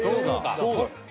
そうだ。